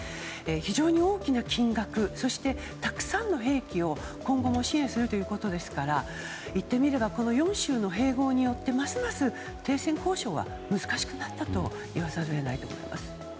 非常に大きな金額そしてたくさんの兵器を今後も支援するということですから言ってみればこの４州の併合によって停戦交渉は難しくなったと言わざるを得ないと思います。